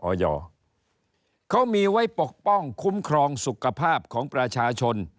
เขามีไว้ปกป้องคุ้มครองสุขภาพของประชาชน